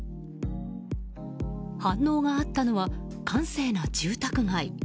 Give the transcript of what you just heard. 反応があったのは閑静な住宅街。